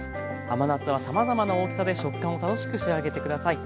甘夏はさまざまな大きさで食感を楽しく仕上げてください。